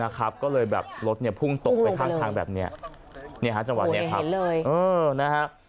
ก็เลยแบบรถพุ่งตกไปข้างทางแบบนี้จังหวะนี้ครับ